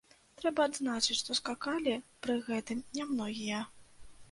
Трэба адзначыць, што скакалі пры гэтым не многія.